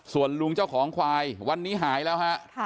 ส่วนลุงเจ้าของควายวันนี้หายแล้วฮะ